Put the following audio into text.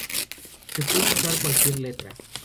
Se puede usar cualquier letra.